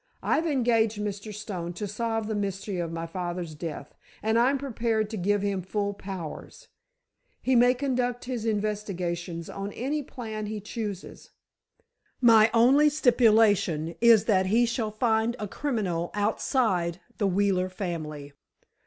I've engaged Mr. Stone to solve the mystery of my father's death, and I'm prepared to give him full powers. He may conduct his investigations on any plan he chooses. My only stipulation is that he shall find a criminal outside the Wheeler family."